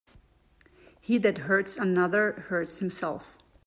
He that hurts another, hurts himself.